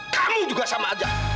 kamu juga sama aja